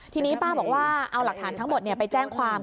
ทีนี้ป้าบอกว่าเอาหลักฐานทั้งหมดไปแจ้งความ